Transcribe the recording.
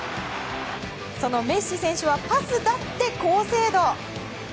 そのメッシ選手はパスだって高精度！